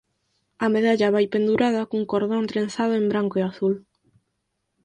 A medalla vai pendurada cun cordón trenzado en branco e azul.